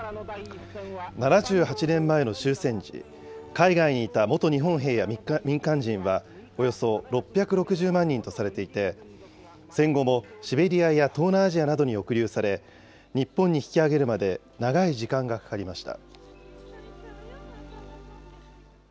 ７８年前の終戦時、海外にいた元日本兵や民間人は、およそ６６０万人とされていて、戦後もシベリアや東南アジアなどに抑留され、日本に引き揚げるまで、長い時間がかかりました。